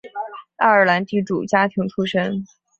爱尔兰地主家庭出身。